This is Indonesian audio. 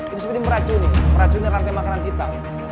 itu seperti meracuni meracuni rantai makanan kita